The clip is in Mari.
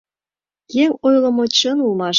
Еҥ ойлымо чын улмаш...